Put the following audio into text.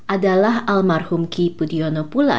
adalah almarhum ki budiono pula